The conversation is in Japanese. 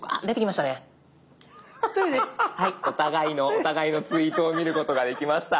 お互いのツイートを見ることができました。